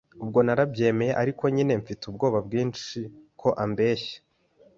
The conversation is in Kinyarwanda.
Ubwo narabyemeye ariko nyine mfite ubwoba bwinshi ko ambeshya.